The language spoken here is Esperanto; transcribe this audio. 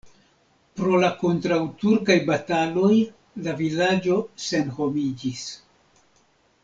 Pro la kontraŭturkaj bataloj la vilaĝo senhomiĝis.